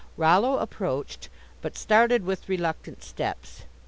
Rollo approached, but started with reluctant steps.